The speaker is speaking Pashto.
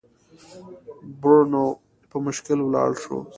برونو په مشکل ولاړ شو.